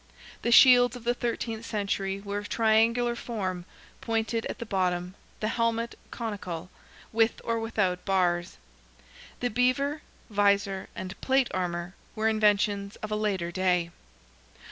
The shields of the thirteenth century were of triangular form, pointed at the bottom; the helmet conical, with or without bars; the beaver, vizor and plate armour, were inventions of a later day.